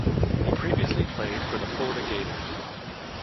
He previously played for the Florida Gators.